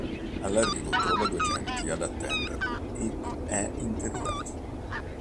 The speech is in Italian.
All'arrivo trova due agenti ad attenderlo ed è interrogato.